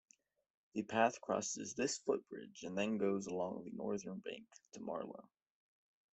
The path crosses this footbridge and then goes along the northern bank to Marlow.